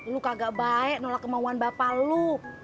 lu kagak baik nolak kemauan bapak lu